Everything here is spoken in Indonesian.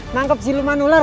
mangkep siluman ular